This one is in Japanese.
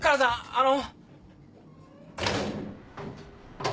あの。